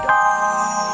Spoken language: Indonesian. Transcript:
tidak ada apa apa